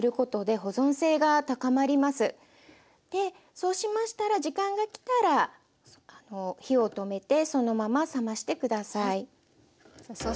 そうしましたら時間が来たら火を止めてそのまま冷まして下さい。